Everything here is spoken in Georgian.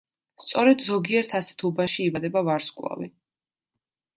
სწორედ ზოგიერთ ასეთ უბანში იბადება ვარსკვლავი.